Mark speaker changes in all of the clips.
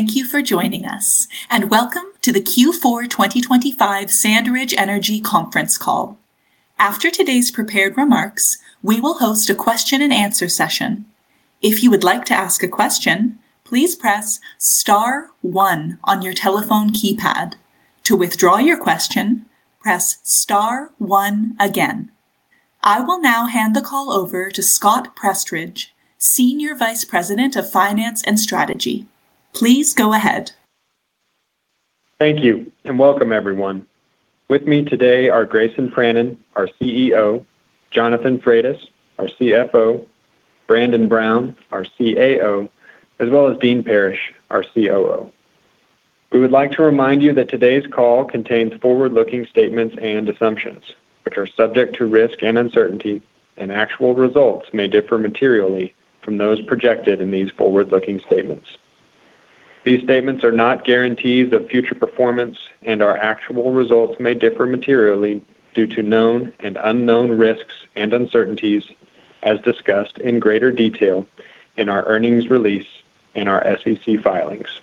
Speaker 1: Thank you for joining us. Welcome to the Q4 2025 SandRidge Energy conference call. After today's prepared remarks, we will host a Q&A session. If you would like to ask a question, please press star one on your telephone keypad. To withdraw your question, press star one again. I will now hand the call over to Scott Prestidge, Senior Vice President of Finance and Strategy. Please go ahead.
Speaker 2: Thank you. Welcome everyone. With me today are Grayson Pranin, our CEO, Jonathan Freitas, our CFO, Brandon Brown, our CAO, as well as Dean Parrish, our COO. We would like to remind you that today's call contains forward-looking statements and assumptions, which are subject to risk and uncertainty, and actual results may differ materially from those projected in these forward-looking statements. These statements are not guarantees of future performance, and our actual results may differ materially due to known and unknown risks and uncertainties as discussed in greater detail in our earnings release and our SEC filings.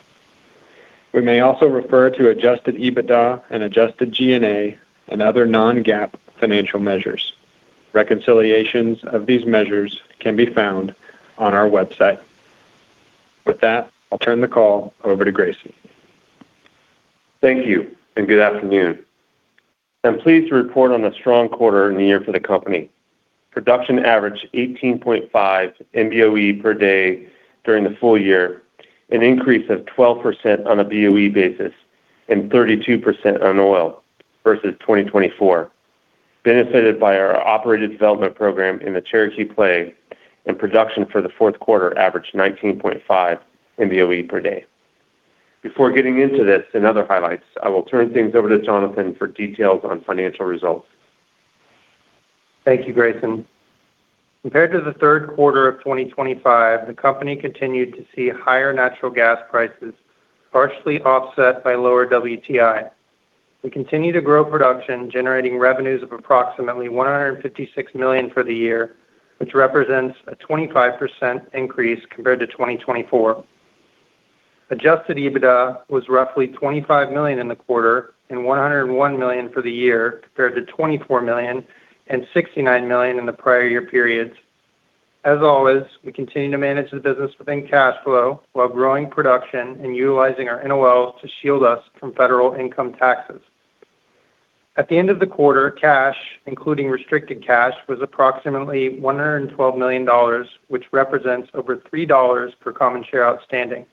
Speaker 2: We may also refer to adjusted EBITDA and adjusted G&A and other non-GAAP financial measures. Reconciliations of these measures can be found on our website. With that, I'll turn the call over to Grayson.
Speaker 3: Thank you, and good afternoon. I'm pleased to report on a strong quarter and year for the company. Production averaged 18.5 MBOE per day during the full year, an increase of 12% on a BOE basis and 32% on oil versus 2024, benefited by our operated development program in the Cherokee Play, and production for the Q4 averaged 19.5 MBOE per day. Before getting into this and other highlights, I will turn things over to Jonathan for details on financial results.
Speaker 4: Thank you, Grayson. Compared to the Q3 of 2025, the company continued to see higher natural gas prices, partially offset by lower WTI. We continue to grow production, generating revenues of approximately $156 million for the year, which represents a 25% increase compared to 2024. Adjusted EBITDA was roughly $25 million in the quarter and $101 million for the year, compared to $24 million and $69 million in the prior year periods. As always, we continue to manage the business within cash flow while growing production and utilizing our NOLs to shield us from federal income taxes. At the end of the quarter, cash, including restricted cash, was approximately $112 million, which represents over $3 per common share outstanding.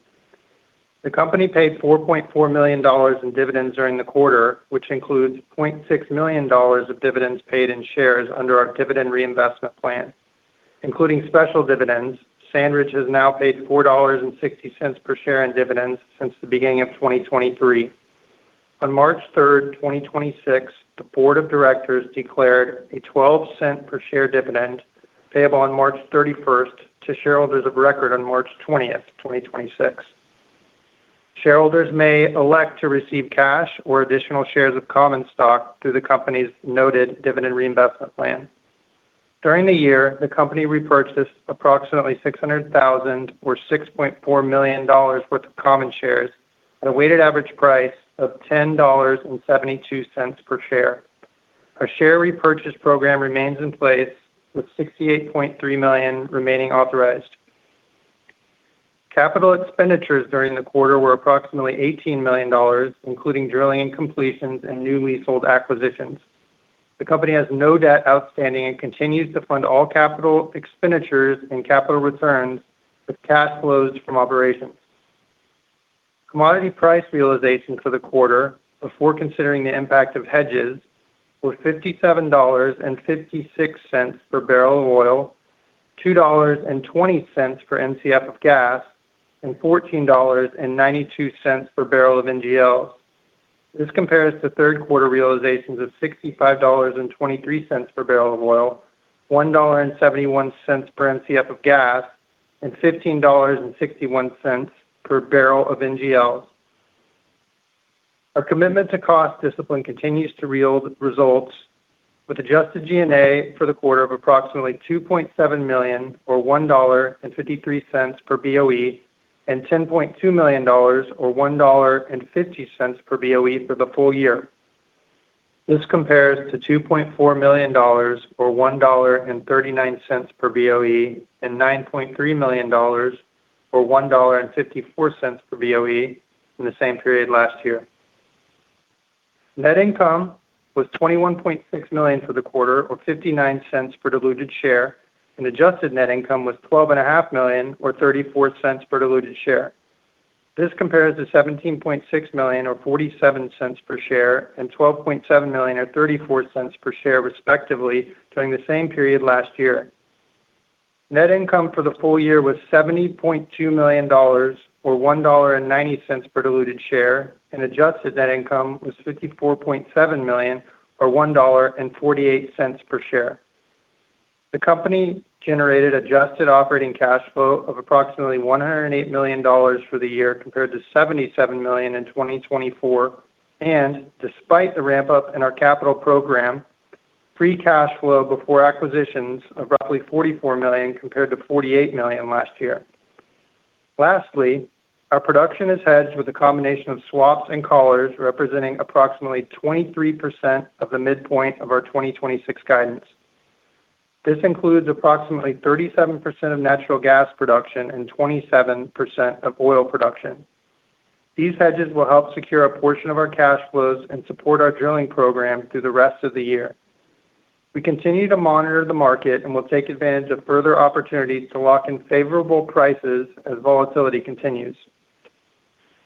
Speaker 4: The company paid $4.4 million in dividends during the quarter, which includes $0.6 million of dividends paid in shares under our dividend reinvestment plan. Including special dividends, SandRidge has now paid $4.60 per share in dividends since the beginning of 2023. On March 3rd, 2026, the board of directors declared a $0.12 per share dividend payable on March 31st to shareholders of record on March 20th, 2026. Shareholders may elect to receive cash or additional shares of common stock through the company's noted dividend reinvestment plan. During the year, the company repurchased approximately 600,000 or $6.4 million worth of common shares at a weighted average price of $10.72 per share. Our share repurchase program remains in place, with $68.3 million remaining authorized. Capital expenditures during the quarter were approximately $18 million, including drilling and completions and new leasehold acquisitions. The company has no debt outstanding and continues to fund all capital expenditures and capital returns with cash flows from operations. Commodity price realization for the quarter, before considering the impact of hedges, was $57.56 per barrel of oil, $2.20 per MCF of gas, and $14.92 per barrel of NGLs. This compares to Q3 realizations of $65.23 per barrel of oil, $1.71 per MCF of gas, and $15.61 per barrel of NGLs. Our commitment to cost discipline continues to yield results with adjusted G&A for the quarter of approximately $2.7 million or $1.53 per BOE, and $10.2 million or $1.50 per BOE for the full year. This compares to $2.4 million or $1.39 per BOE and $9.3 million or $1.54 per BOE in the same period last year. Net income was $21.6 million for the quarter or $0.59 per diluted share, and adjusted net income was twelve and a half million or $0.34 per diluted share. This compares to $17.6 million or $0.47 per share and $12.7 million or $0.34 per share, respectively, during the same period last year. Net income for the full year was $70.2 million or $1.90 per diluted share, and adjusted net income was $54.7 million or $1.48 per share. The company generated adjusted operating cash flow of approximately $108 million for the year compared to $77 million in 2024. Despite the ramp-up in our capital program. Free cash flow before acquisitions of roughly $44 million compared to $48 million last year. Lastly, our production is hedged with a combination of swaps and collars representing approximately 23% of the midpoint of our 2026 guidance. This includes approximately 37% of natural gas production and 27% of oil production. These hedges will help secure a portion of our cash flows and support our drilling program through the rest of the year. We continue to monitor the market and will take advantage of further opportunities to lock in favorable prices as volatility continues.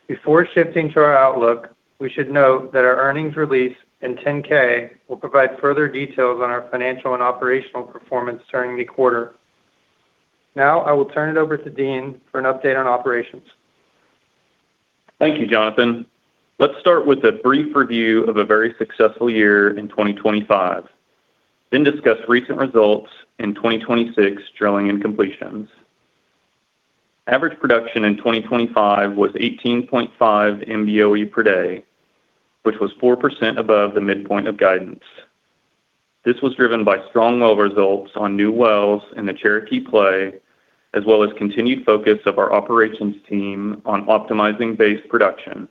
Speaker 4: Before shifting to our outlook, we should note that our earnings release in 10-K will provide further details on our financial and operational performance during the quarter. Now I will turn it over to Dean for an update on operations.
Speaker 5: Thank you, Jonathan. Let's start with a brief review of a very successful year in 2025, then discuss recent results in 2026 drilling and completions. Average production in 2025 was 18.5 MBOE per day, which was 4% above the midpoint of guidance. This was driven by strong well results on new wells in the Cherokee Play, as well as continued focus of our operations team on optimizing base production.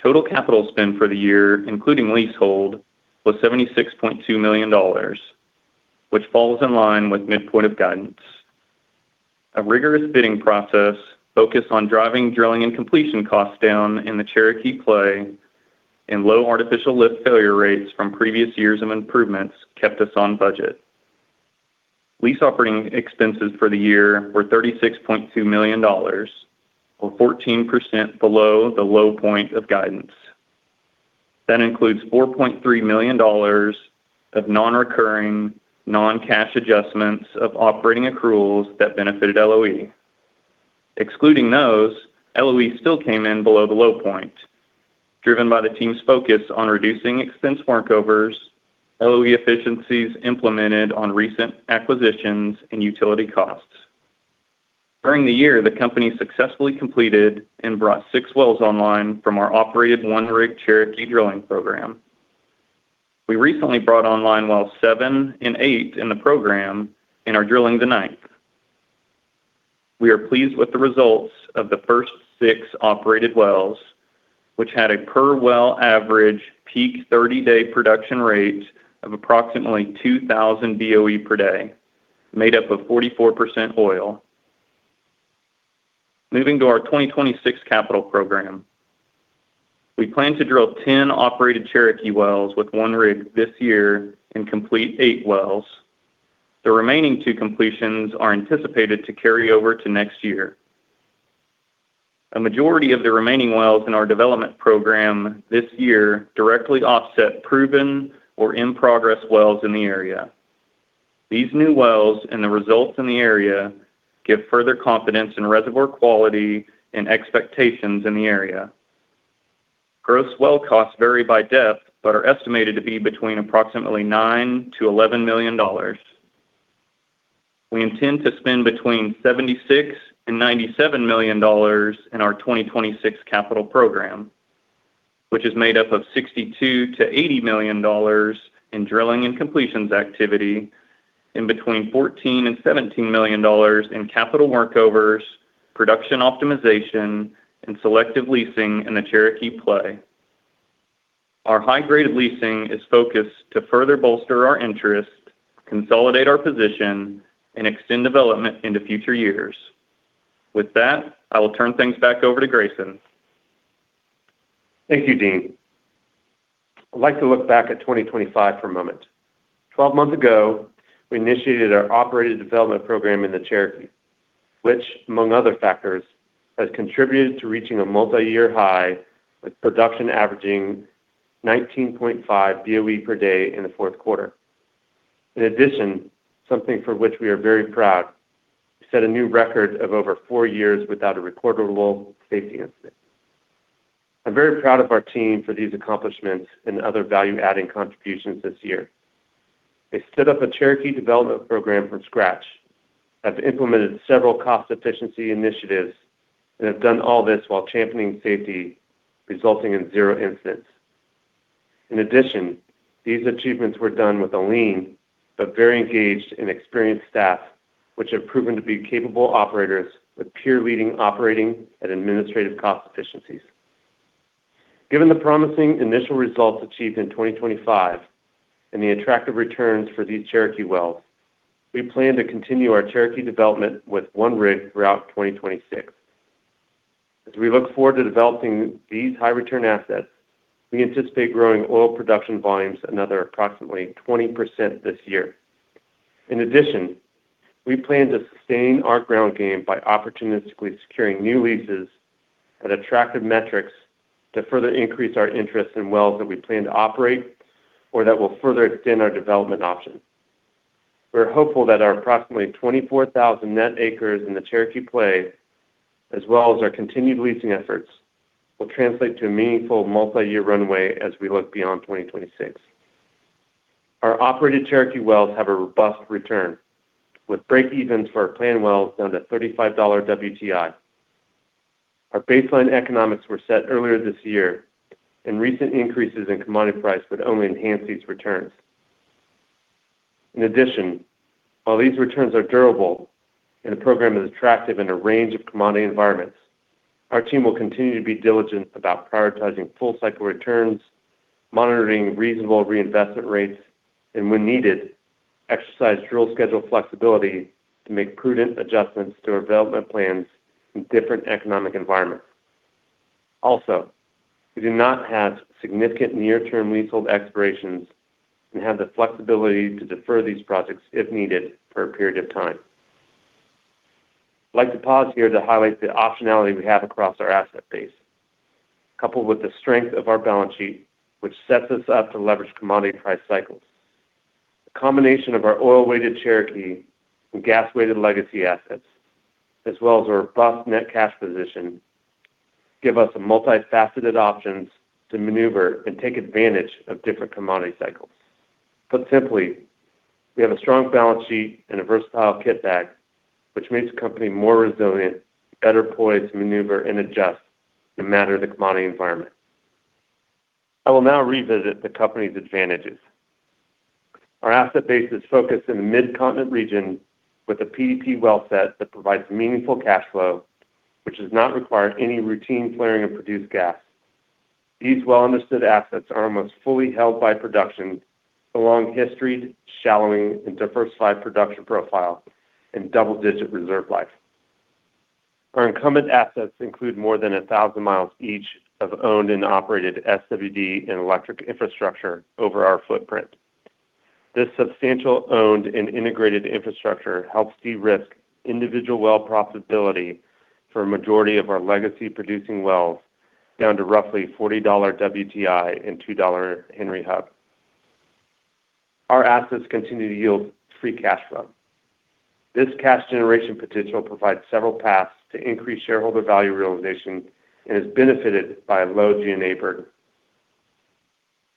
Speaker 5: Total capital spend for the year, including leasehold, was $76.2 million, which falls in line with midpoint of guidance. A rigorous bidding process focused on driving drilling and completion costs down in the Cherokee Play and low artificial lift failure rates from previous years of improvements kept us on budget. Lease operating expenses for the year were $36.2 million, or 14% below the low point of guidance. That includes $4.3 million of non-recurring, non-cash adjustments of operating accruals that benefited LOE. Excluding those, LOE still came in below the low point, driven by the team's focus on reducing expense workovers, LOE efficiencies implemented on recent acquisitions and utility costs. During the year, the company successfully completed and brought 6 wells online from our operated 1-rig Cherokee drilling program. We recently brought online wells 7 and 8 in the program and are drilling the 9th. We are pleased with the results of the first 6 operated wells, which had a per well average peak 30-day production rate of approximately 2,000 BOE per day, made up of 44% oil. Moving to our 2026 capital program. We plan to drill 10 operated Cherokee wells with 1 rig this year and complete 8 wells. The remaining 2 completions are anticipated to carry over to next year. A majority of the remaining wells in our development program this year directly offset proven or in-progress wells in the area. These new wells and the results in the area give further confidence in reservoir quality and expectations in the area. Gross well costs vary by depth, but are estimated to be between approximately $9 million-$11 million. We intend to spend between $76 million and $97 million in our 2026 capital program, which is made up of $62 million-$80 million in drilling and completions activity and between $14 million and $17 million in capital workovers, production optimization, and selective leasing in the Cherokee Play. Our high grade of leasing is focused to further bolster our interest, consolidate our position, and extend development into future years. With that, I will turn things back over to Grayson.
Speaker 3: Thank you, Dean. I'd like to look back at 2025 for a moment. 12 months ago, we initiated our operated development program in the Cherokee, which among other factors, has contributed to reaching a multi-year high with production averaging 19.5 BOE per day in the Q4. Something for which we are very proud, we set a new record of over 4 years without a recordable safety incident. I'm very proud of our team for these accomplishments and other value-adding contributions this year. They stood up a Cherokee development program from scratch, have implemented several cost efficiency initiatives, and have done all this while championing safety, resulting in zero incidents. These achievements were done with a lean but very engaged and experienced staff, which have proven to be capable operators with peer-leading operating and administrative cost efficiencies. Given the promising initial results achieved in 2025 and the attractive returns for these Cherokee wells, we plan to continue our Cherokee development with one rig throughout 2026. As we look forward to developing these high return assets, we anticipate growing oil production volumes another approximately 20% this year. In addition, we plan to sustain our ground game by opportunistically securing new leases at attractive metrics to further increase our interest in wells that we plan to operate or that will further extend our development options. We're hopeful that our approximately 24,000 net acres in the Cherokee Play, as well as our continued leasing efforts, will translate to a meaningful multi-year runway as we look beyond 2026. Our operated Cherokee wells have a robust return with break evens for our planned wells down to $35 WTI. Our baseline economics were set earlier this year. Recent increases in commodity price would only enhance these returns. In addition, while these returns are durable and the program is attractive in a range of commodity environments, our team will continue to be diligent about prioritizing full cycle returns, monitoring reasonable reinvestment rates, and when needed, exercise drill schedule flexibility to make prudent adjustments to our development plans in different economic environments. Also, we do not have significant near-term leasehold expirations and have the flexibility to defer these projects if needed for a period of time. I'd like to pause here to highlight the optionality we have across our asset base, coupled with the strength of our balance sheet, which sets us up to leverage commodity price cycles. The combination of our oil-weighted Cherokee and gas-weighted legacy assets, as well as our robust net cash position, give us a multifaceted options to maneuver and take advantage of different commodity cycles. Put simply, we have a strong balance sheet and a versatile kit bag, which makes the company more resilient, better poised to maneuver and adjust no matter the commodity environment. I will now revisit the company's advantages. Our asset base is focused in the mid-continent region with a PDP well set that provides meaningful cash flow, which does not require any routine flaring of produced gas. These well-understood assets are almost fully held by production along historied, shallowing, and diversified production profile and double-digit reserve life. Our incumbent assets include more than 1,000 miles each of owned and operated SWD and electric infrastructure over our footprint. This substantial owned and integrated infrastructure helps de-risk individual well profitability for a majority of our legacy producing wells down to roughly $40 WTI and $2 Henry Hub. Our assets continue to yield free cash flow. This cash generation potential provides several paths to increase shareholder value realization and is benefited by a low G&A burden.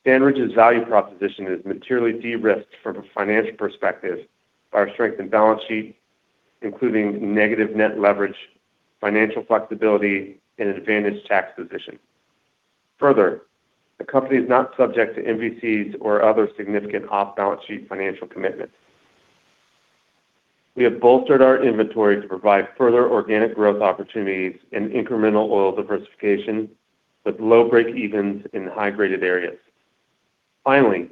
Speaker 3: SandRidge's value proposition is materially de-risked from a financial perspective by our strength in balance sheet, including negative net leverage, financial flexibility, and an advantaged tax position. The company is not subject to NVCs or other significant off-balance sheet financial commitments. We have bolstered our inventory to provide further organic growth opportunities and incremental oil diversification with low breakevens in high-graded areas. It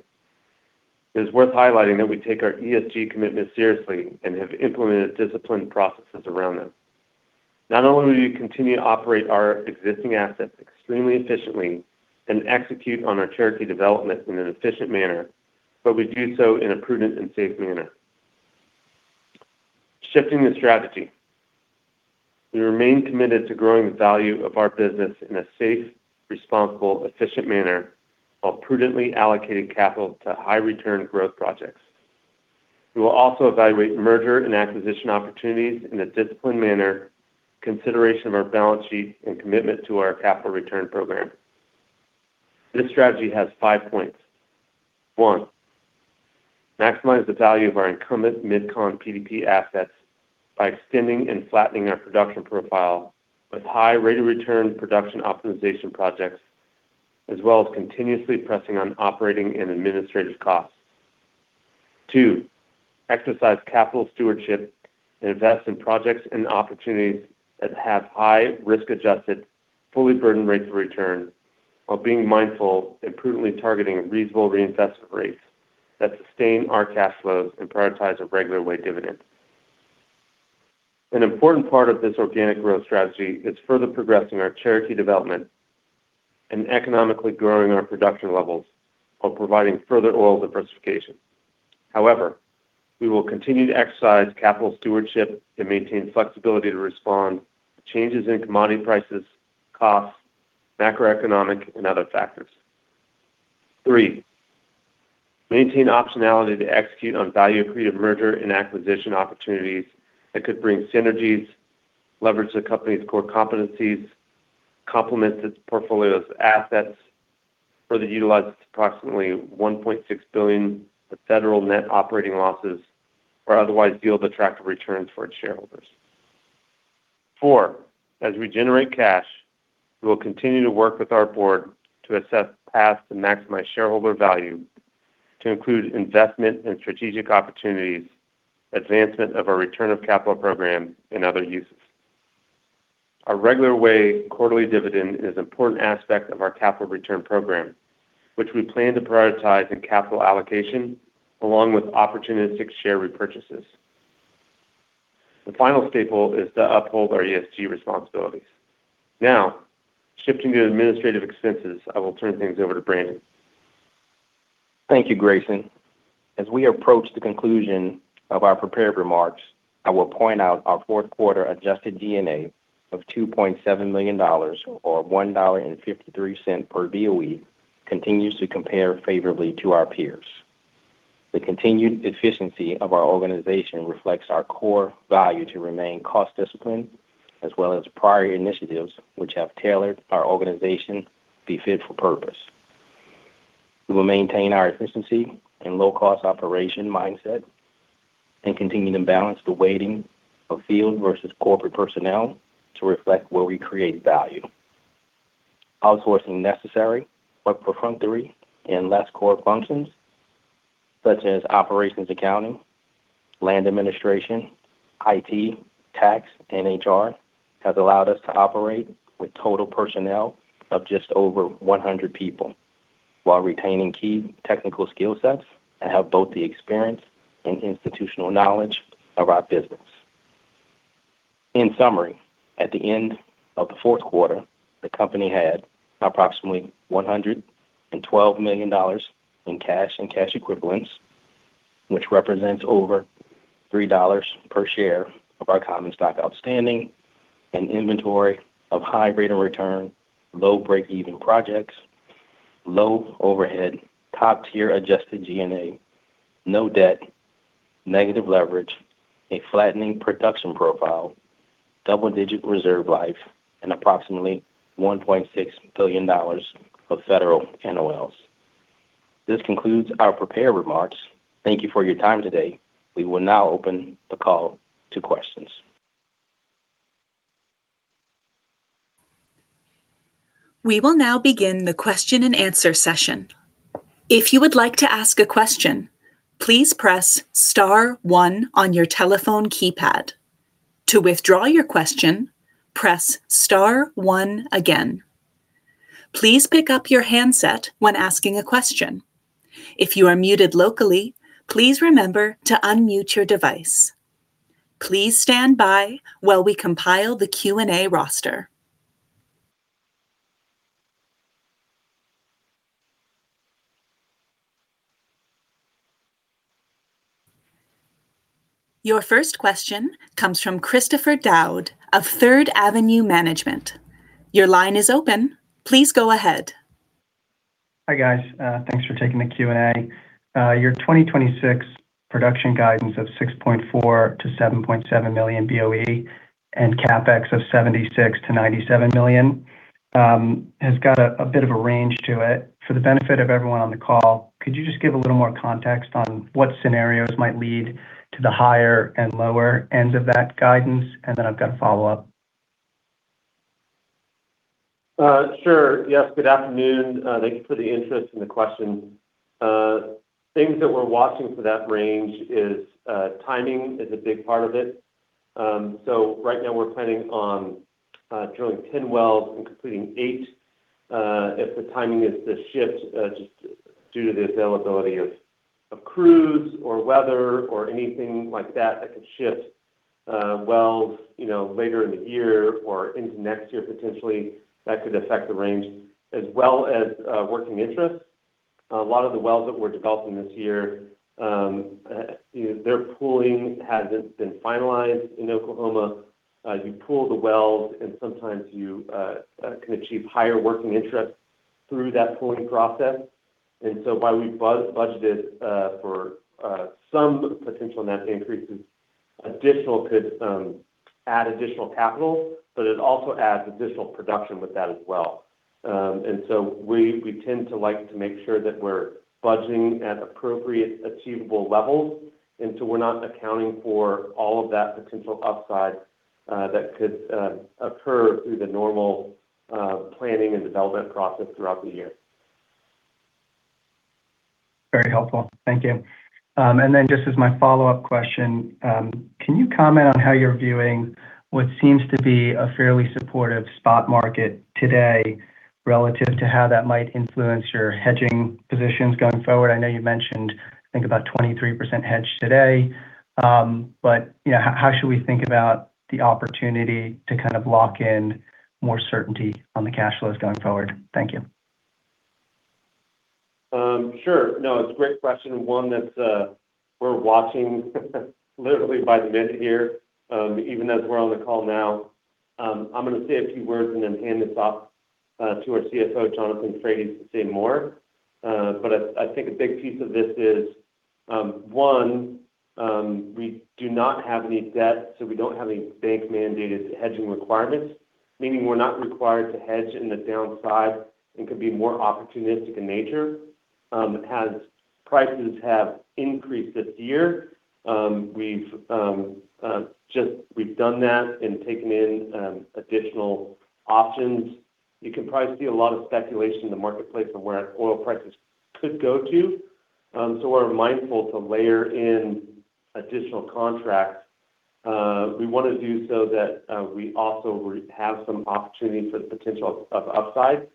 Speaker 3: is worth highlighting that we take our ESG commitment seriously and have implemented disciplined processes around them. Not only do we continue to operate our existing assets extremely efficiently and execute on our Cherokee development in an efficient manner, but we do so in a prudent and safe manner. Shifting the strategy, we remain committed to growing the value of our business in a safe, responsible, efficient manner while prudently allocating capital to high-return growth projects. We will also evaluate merger and acquisition opportunities in a disciplined manner, consideration of our balance sheet, and commitment to our capital return program. This strategy has 5 points. One, maximize the value of our incumbent MidCon PDP assets by extending and flattening our production profile with high rate of return production optimization projects, as well as continuously pressing on operating and administrative costs. 2, exercise capital stewardship and invest in projects and opportunities that have high risk-adjusted, fully burdened rates of return while being mindful and prudently targeting reasonable reinvestment rates that sustain our cash flows and prioritize a regular weight dividend. An important part of this organic growth strategy is further progressing our Cherokee development and economically growing our production levels while providing further oil diversification. However, we will continue to exercise capital stewardship and maintain flexibility to respond to changes in commodity prices, costs, macroeconomic, and other factors. 3, maintain optionality to execute on value-accretive merger and acquisition opportunities that could bring synergies, leverage the company's core competencies, complement its portfolio of assets, further utilize its approximately $1.6 billion of federal Net Operating Losses, or otherwise yield attractive returns for its shareholders. 4, as we generate cash, we will continue to work with our board to assess paths to maximize shareholder value to include investment in strategic opportunities, advancement of our return of capital program, and other uses. Our regular way quarterly dividend is an important aspect of our capital return program, which we plan to prioritize in capital allocation along with opportunistic share repurchases. The final staple is to uphold our ESG responsibilities. Now, shifting to administrative expenses, I will turn things over to Brandon.
Speaker 6: Thank you, Grayson. As we approach the conclusion of our prepared remarks, I will point out our Q4 adjusted G&A of $2.7 million or $1.53 per BOE continues to compare favorably to our peers. The continued efficiency of our organization reflects our core value to remain cost disciplined, as well as prior initiatives which have tailored our organization to be fit for purpose. We will maintain our efficiency and low-cost operation mindset and continuing to balance the weighting of field versus corporate personnel to reflect where we create value. Outsourcing necessary but perfunctory and less core functions such as operations accounting, land administration, IT, tax, and HR has allowed us to operate with total personnel of just over 100 people while retaining key technical skill sets that have both the experience and institutional knowledge of our business. In summary, at the end of the Q4, the company had approximately $112 million in cash and cash equivalents, which represents over $3 per share of our common stock outstanding and inventory of high rate of return, low break-even projects, low overhead, top-tier adjusted G&A, no debt, negative leverage, a flattening production profile, double-digit reserve life and approximately $1.6 billion of federal NOLs. This concludes our prepared remarks. Thank you for your time today. We will now open the call to questions.
Speaker 1: We will now begin the Q&A session. If you would like to ask a question, please press star one on your telephone keypad. To withdraw your question, press star one again. Please pick up your handset when asking a question. If you are muted locally, please remember to unmute your device. Please stand by while we compile the Q&A roster. Your first question comes from Christopher Dowd of Third Avenue Management. Your line is open. Please go ahead.
Speaker 7: Hi, guys. thanks for taking the Q&A. your 2026 production guidance of 6.4 million-7.7 million BOE and CapEx of $76 million-$97 million has got a bit of a range to it. For the benefit of everyone on the call, could you just give a little more context on what scenarios might lead to the higher and lower ends of that guidance? I've got a follow-up.
Speaker 3: Sure. Yes, good afternoon. Thank you for the interest and the question. Things that we're watching for that range is timing is a big part of it. Right now we're planning on drilling 10 wells and completing 8. If the timing is to shift, just due to the availability of crews or weather or anything like that could shift wells, you know, later in the year or into next year, potentially that could affect the range as well as working interest. A lot of the wells that we're developing this year, their pooling hasn't been finalized in Oklahoma. You pool the wells, and sometimes you can achieve higher working interest through that pooling process. While we budgeted for some potential net increases, additional could add additional capital, but it also adds additional production with that as well. We tend to like to make sure that we're budgeting at appropriate achievable levels, and so we're not accounting for all of that potential upside that could occur through the normal planning and development process throughout the year.
Speaker 7: Very helpful. Thank you. Just as my follow-up question, can you comment on how you're viewing what seems to be a fairly supportive spot market today relative to how that might influence your hedging positions going forward? I know you mentioned, I think about 23% hedge today, you know, how should we think about the opportunity to kind of lock in more certainty on the cash flows going forward? Thank you.
Speaker 3: No, it's a great question, one that we're watching literally by the minute here, even as we're on the call now. I'm gonna say a few words and then hand this off to our CFO, Jonathan Frates, to say more. I think a big piece of this is one, we do not have any debt, so we don't have any bank-mandated hedging requirements, meaning we're not required to hedge in the downside and can be more opportunistic in nature. As prices have increased this year, we've done that and taken in additional options. You can probably see a lot of speculation in the marketplace of where oil prices could go to. We're mindful to layer in additional contracts. We want to do so that we also have some opportunity for the potential of upside.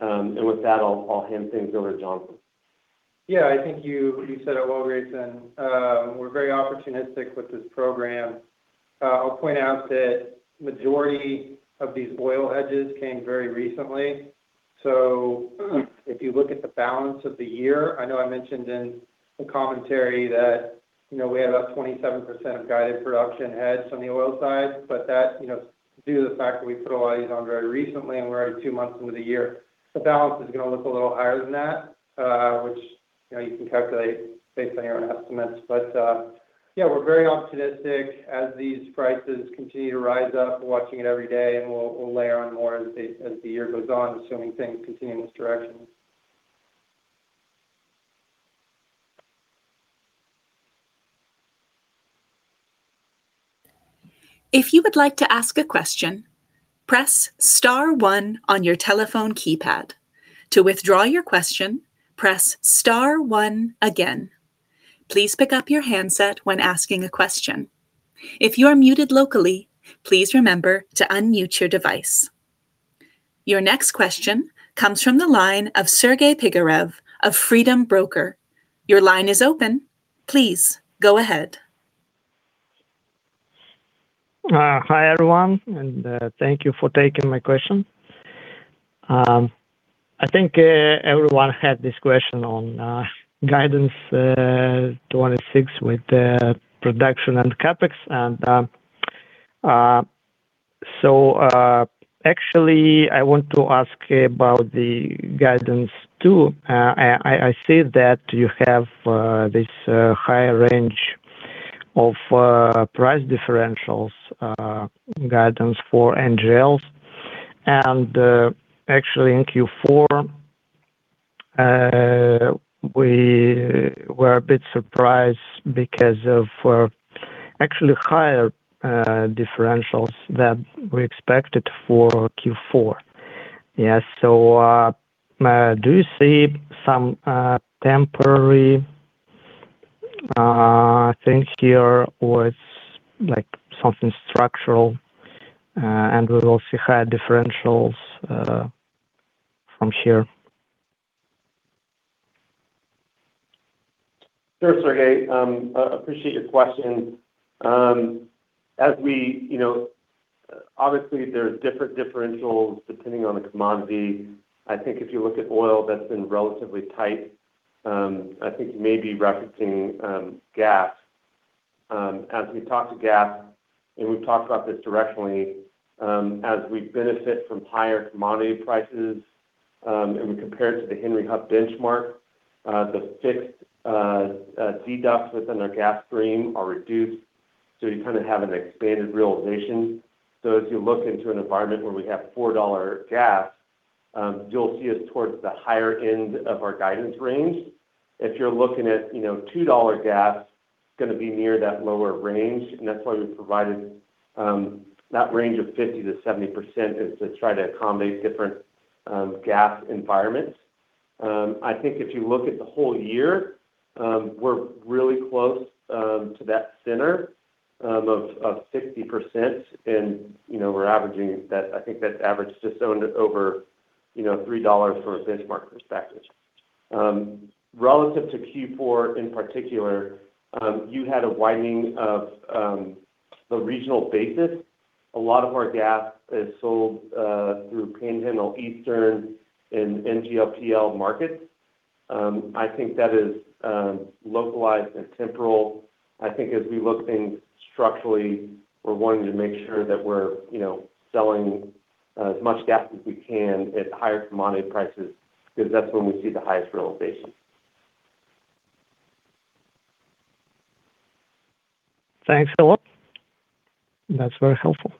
Speaker 3: With that, I'll hand things over to Jonathan.
Speaker 4: Yeah, I think you said it well, Grayson. We're very opportunistic with this program. I'll point out that majority of these oil hedges came very recently. If you look at the balance of the year, I know I mentioned in the commentary that, you know, we have about 27% of guided production hedged on the oil side, but that, you know, due to the fact that we put a lot of these on very recently and we're only 2 months into the year, the balance is gonna look a little higher than that, which.
Speaker 3: You know, you can calculate based on your own estimates. Yeah, we're very optimistic as these prices continue to rise up. We're watching it every day, and we'll layer on more as the year goes on, assuming things continue in this direction.
Speaker 1: If you would like to ask a question, press star one on your telephone keypad. To withdraw your question, press star one again. Please pick up your handset when asking a question. If you are muted locally, please remember to unmute your device. Your next question comes from the line of Sergey Pigarev of Freedom Broker. Your line is open. Please go ahead.
Speaker 8: Hi, everyone, thank you for taking my question. I think everyone had this question on guidance 26 with the production and CapEx. Actually, I want to ask about the guidance too. I see that you have this higher range of price differentials guidance for NGLs. Actually in Q4, we were a bit surprised because of actually higher differentials than we expected for Q4. Do you see some temporary things here with like something structural and with also higher differentials from here?
Speaker 3: Sure, Sergey. I appreciate your question. You know, obviously there's different differentials depending on the commodity. I think if you look at oil, that's been relatively tight. I think you may be referencing gas. As we talk to gas, and we've talked about this directionally, as we benefit from higher commodity prices, and we compare it to the Henry Hub benchmark, the fixed deducts within our gas stream are reduced, so you kind of have an expanded realization. If you look into an environment where we have $4 gas, you'll see us towards the higher end of our guidance range. If you're looking at, you know, $2 gas, it's gonna be near that lower range. That's why we provided that range of 50%-70% is to try to accommodate different gas environments. I think if you look at the whole year, we're really close to that center of 60%. You know, we're averaging that. I think that's averaged just on over, you know, $3 for a benchmark perspective. Relative to Q4 in particular, you had a widening of the regional basis. A lot of our gas is sold through Panhandle Eastern and NGPL markets. I think that is localized and temporal. I think as we look things structurally, we're wanting to make sure that we're, you know, selling as much gas as we can at higher commodity prices because that's when we see the highest realization.
Speaker 8: Thanks a lot. That's very helpful.